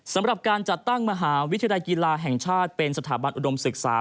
สำหรับการจัดตั้งมหาวิทยาลัยกีฬาแห่งชาติเป็นสถาบันอุดมศึกษา